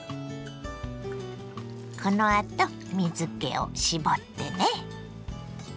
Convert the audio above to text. このあと水けを絞ってね。